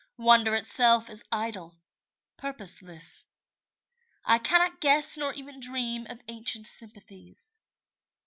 Wonder itself is idle, purposeless; I cannot guess Nor even dream of ancient sympathies.